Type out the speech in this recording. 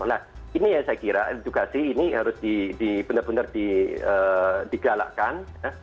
nah ini yang saya kira edukasi ini harus benar benar digalakkan